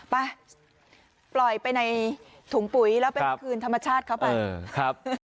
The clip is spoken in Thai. ไปปล่อยไปในถุงปุ๋ยแล้วไปคืนธรรมชาติเข้าไป